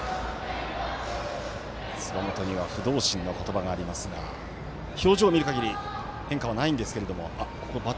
つばもとには「不動心」の言葉がありますが表情を見るかぎり変化はないんですけれども。